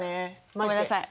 ごめんなさい。